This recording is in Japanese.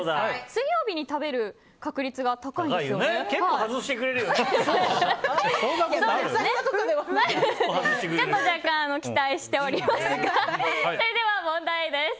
水曜日に食べる確率が高いんですよ。